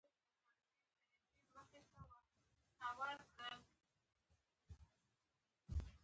بودیجه هم په پروژه کې څرګنده وي.